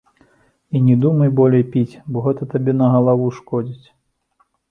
І не думай болей піць, бо гэта табе на галаву шкодзіць.